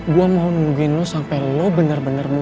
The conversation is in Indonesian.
gue mau nungguin lo sampe lo bener bener move on dari davin